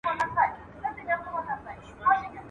خزانې په کنډوالو کي پيدا کېږي.